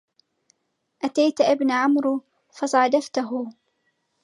أتيت ابن عمرو فصادفته